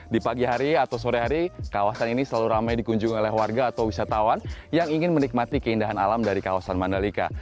di pagi hari atau sore hari kawasan ini selalu ramai dikunjungi oleh warga atau wisatawan yang ingin menikmati keindahan alam dari kawasan mandalika